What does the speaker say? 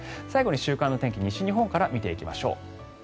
最後に週間天気、西日本から見ていきましょう。